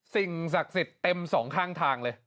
สิ่งศักดิ์สิทธิ์เต็มสองข้างทางเลย